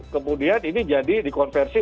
kemudian ini jadi dikonversi